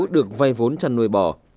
được vay vốn chăn nuôi bò